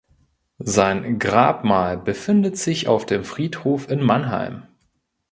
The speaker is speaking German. Sein Grabmal befindet sich auf dem Friedhof in Mannheim.